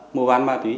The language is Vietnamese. mô án ma túy